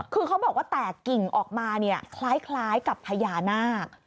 คือเขาบอกว่าแตกกิ่งออกมาเนี่ยคล้ายกับพญานาค